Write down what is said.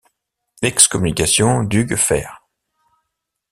Excommunication d'Hugues Fer.